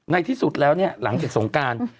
ที่สุดแล้วเนี่ยหลังจากสงการ